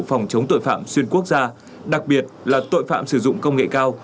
phòng chống tội phạm xuyên quốc gia đặc biệt là tội phạm sử dụng công nghệ cao